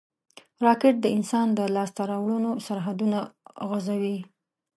راکټ د انسان د لاسته راوړنو سرحدونه غځوي